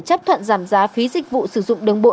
chấp thuận giảm giá phí dịch vụ sử dụng đường bộ